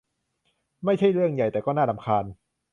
ไม่ใช่เรื่องใหญ่แต่ก็น่ารำคาญ